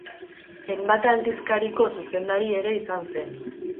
Enbata aldizkariko zuzendari ere izan zen.